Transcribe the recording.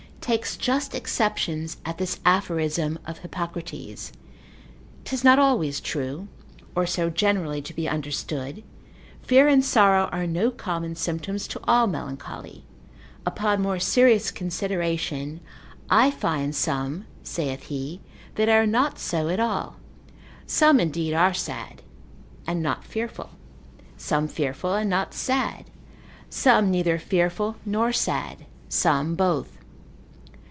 takes just exceptions, at this aphorism of Hippocrates, 'tis not always true, or so generally to be understood, fear and sorrow are no common symptoms to all melancholy; upon more serious consideration, I find some (saith he) that are not so at all. Some indeed are sad, and not fearful; some fearful and not sad; some neither fearful nor sad; some both.